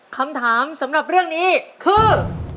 คำถามสำหรับเรื่องนี้คือ